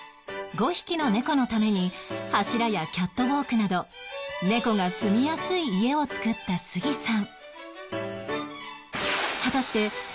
５匹の猫のために柱やキャットウォークなど猫がすみやすい家を作った杉さん